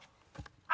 あ！